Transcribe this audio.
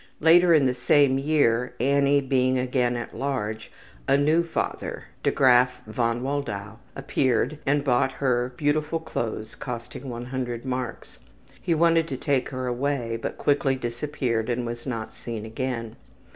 Later in the same year, Annie being again at large, a new father, der Graf von Woldau, appeared and bought her beautiful clothes costing 100 marks. He wanted to take her away, but quickly disappeared and was not seen again.